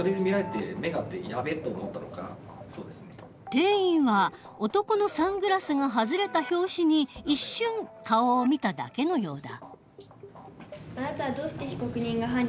店員は男のサングラスが外れた拍子に一瞬顔を見ただけのようだ。